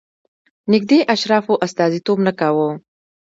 نږدې اشرافو استازیتوب نه کاوه.